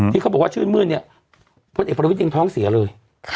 ที่เขาบอกว่าชื่นมืดนี่พลเอกพรวจจริงท้องเสียเลย